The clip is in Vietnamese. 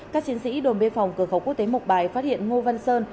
các chiến sĩ đồn biên phòng cửa khẩu quốc tế mộc bài phát hiện ngô văn sơn